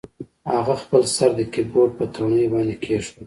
هغه خپل سر د کیبورډ په تڼیو باندې کیښود